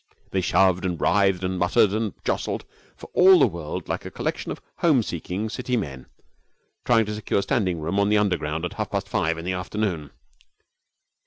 They shoved and writhed and muttered and jostled, for all the world like a collection of home seeking City men trying to secure standing room on the Underground at half past five in the afternoon.